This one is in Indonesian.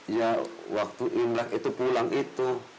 ya waktu imlek itu pulang itu